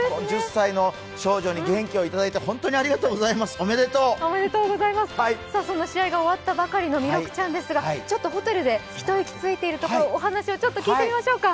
１０歳の少女に元気を頂いて本当にありがとうございます、おめでとうその試合が終わったばかりの弥勒ちゃんですが、ホテルで一息ついているところをお話聞いてみましょうか。